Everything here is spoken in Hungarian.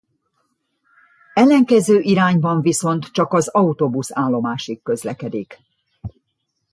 Ellenkező irányban viszont csak az Autóbusz-állomásig közlekedik!